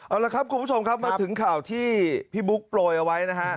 เอาแล้วครับคุณผู้โชคมาถึงข่าวที่พี่ปลงไป